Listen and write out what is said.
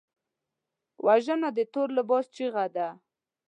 وژنه د تور لباس چیغه ده